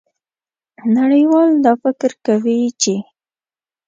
نړیوال دا فکر کوي چې